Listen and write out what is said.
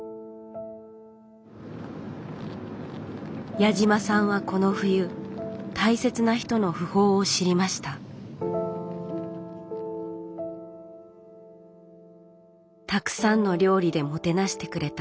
矢島さんはこの冬大切な人の訃報を知りましたたくさんの料理でもてなしてくれた